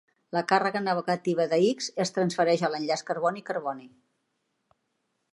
La càrrega negativa de X es transfereix a l'enllaç carboni-carboni.